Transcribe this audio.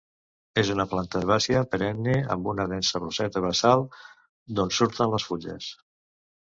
És una planta herbàcia perenne amb una densa roseta basal d'on surten les fulles.